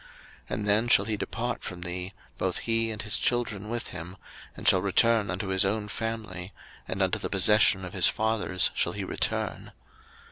03:025:041 And then shall he depart from thee, both he and his children with him, and shall return unto his own family, and unto the possession of his fathers shall he return.